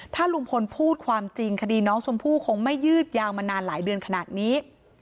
ถ้าลุงพลพูดความจริงคดีน้องชมพู่คงไม่ยืดยาวมานานหลายเดือนขนาดนี้